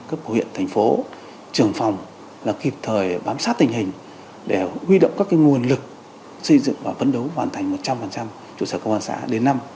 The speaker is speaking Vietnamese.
các bộ huyện thành phố trường phòng là kịp thời bám sát tình hình để huy động các nguồn lực xây dựng và vấn đấu hoàn thành một trăm linh trụ sở công an xã đến năm hai nghìn hai mươi năm